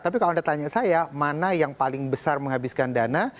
tapi kalau anda tanya saya mana yang paling besar menghabiskan dana